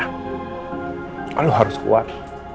kamu harus kuat